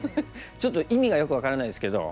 ちょっと意味がよく分からないですけど。